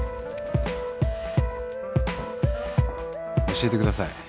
教えてください。